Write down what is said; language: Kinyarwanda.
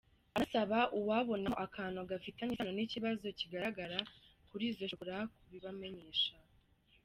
Anasaba uwabonamo akantu gafitanye isano n’ikibazo kigaragara kuri izo shokola kubibamenyesha.